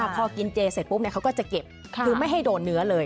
พอกินเจเสร็จปุ๊บเขาก็จะเก็บคือไม่ให้โดนเนื้อเลย